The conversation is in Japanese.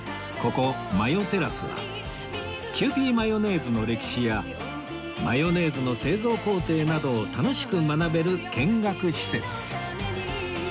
ここマヨテラスはキユーピーマヨネーズの歴史やマヨネーズの製造工程などを楽しく学べる見学施設